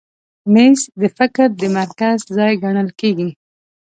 مېز د فکر د مرکز ځای ګڼل کېږي.